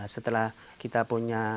setelah kita punya